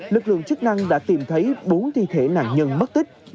lực lượng chức năng đã tìm thấy bốn thi thể nạn nhân mất tích